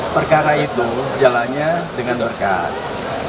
perkara itu jalannya dengan berkas